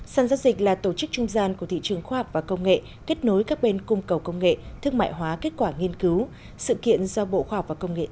sản giao dịch là tổ chức trung gian của thị trường khoa học và công nghệ kết nối các bên cung cầu công nghệ thương mại hóa kết quả nghiên cứu sự kiện do bộ khoa học và công nghệ